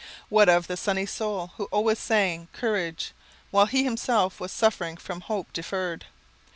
What of the sunny soul who always sang courage, while he himself was suffering from hope deferred!